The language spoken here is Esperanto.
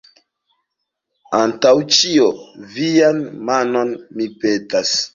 Antaŭ ĉio, vian manon, mi, petas.